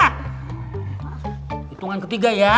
hitungan ketiga ya